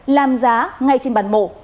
làm giá ngay trên bàn mổ